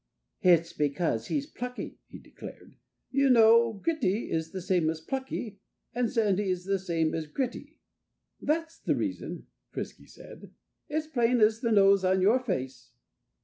"It's because he's plucky," he declared. "You know, gritty is the same as plucky. And sandy is the same as gritty. That's the reason," Frisky said. "It's plain as the nose on your face."